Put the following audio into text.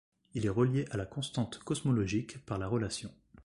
Il est relié à la constante cosmologique par la relation.